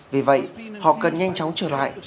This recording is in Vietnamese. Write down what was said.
vì vậy họ cần nhanh chóng trở lại